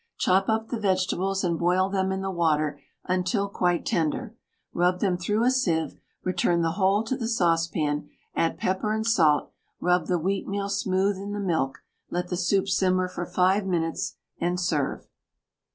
Chop up the vegetables and boil them in the water until quite tender. Rub them through a sieve, return the whole to the saucepan, add pepper and salt, rub the wheatmeal smooth in the milk, let the soup simmer for 5 minutes, and serve.